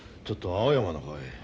ちょっと青山の方へ。